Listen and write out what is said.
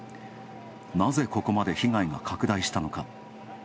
なぜ、ここまで被害が拡大したのか。